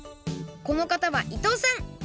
このかたは伊藤さん。